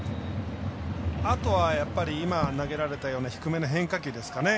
あとは、今投げられたような低めの変化球ですかね。